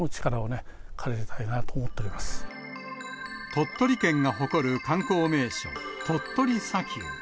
鳥取県が誇る観光名所、鳥取砂丘。